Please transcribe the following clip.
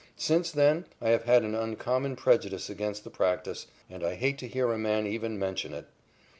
Since then I have had an uncommon prejudice against the practice, and I hate to hear a man even mention it.